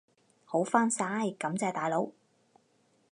好返晒，感謝大佬！